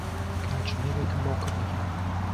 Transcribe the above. کاتژمێرێکم بۆ کڕی.